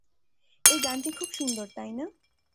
এই গানটি খুব সুন্দর, তাই না?